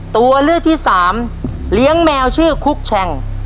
ตัวเลือกที่สามเลี้ยงแมวชื่อคุกแชง